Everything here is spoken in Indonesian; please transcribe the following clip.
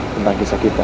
tentang kisah kita